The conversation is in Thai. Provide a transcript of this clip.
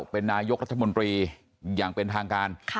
เป็นนายกรัฐมนตรีอย่างเป็นทางการ